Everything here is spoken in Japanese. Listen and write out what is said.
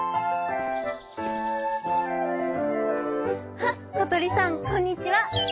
「あっことりさんこんにちは。